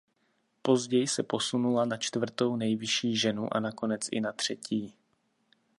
Později se posunula na čtvrtou nejvyšší ženu a nakonec i na třetí.